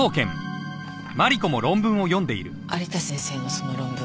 有田先生のその論文